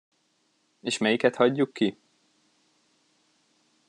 És melyiket hagyjuk ki?